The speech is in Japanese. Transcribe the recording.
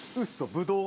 ブドウ？